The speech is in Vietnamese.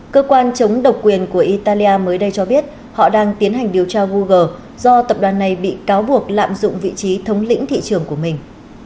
cơ quan chống độc quyền của italia mới đây cho biết họ đang tiến hành điều tra google do tập đoàn này bị cáo buộc lạm dụng vị trí thống lĩnh thị trường của mình